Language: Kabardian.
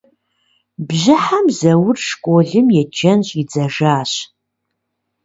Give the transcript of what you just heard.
Бжьыхьэм Зэур школым еджэн щӀидзэжащ.